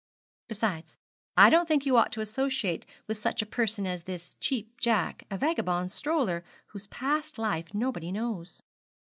'Besides, I don't think you ought to associate with such a person as this Cheap Jack a vagabond stroller, whose past life nobody knows.'